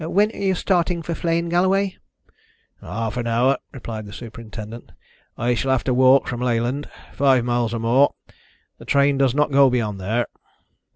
When are you starting for Flegne, Galloway?" "In half an hour," replied the superintendent. "I shall have to walk from Leyland five miles or more. The train does not go beyond there."